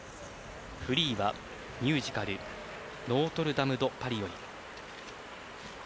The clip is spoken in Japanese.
フリーは、ミュージカル「ノートルダム・ド・パリ」より。